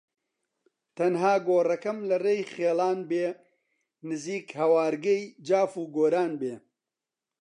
تەنها گۆڕەکەم لە ڕێی خیڵان بێ نزیک هەوارگەی جاف و کۆران بێ